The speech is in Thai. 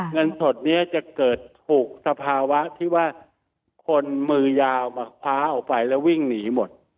เงินสดนี้จะเกิดถูกสภาวะที่ว่าคนมือยาวมาคว้าออกไปแล้ววิ่งหนีหมด